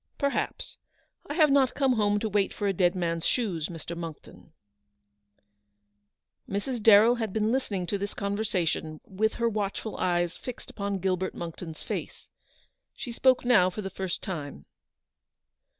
" Perhaps. I have not come home to wait for a dead man's shoes, Mr. Monckton." Mrs. Darrell had been listening to this conver sation, with her watchful eyes fixed upon Gilbert the lawyer's suspicion. 305 Monckton's face. She spoke now for the first time.